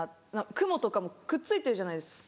クモとかくっついてるじゃないですか。